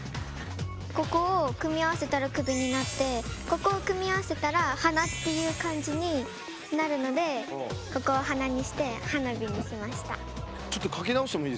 ここを組み合わせたら首になってここを組み合わせたら鼻っていう漢字になるのでここを「はな」にして「はなび」にしました。